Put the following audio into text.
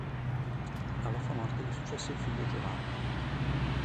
Alla sua morte gli successe il figlio Giovanni.